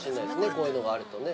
こういうのがあるとね。